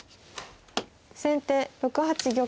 先手６八玉。